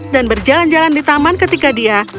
berjalan jalan di taman ketika dia